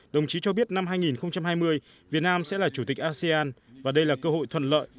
đồng chí cho biết năm hai nghìn hai mươi việt nam sẽ là chủ tịch asean và đây là cơ hội thuận lợi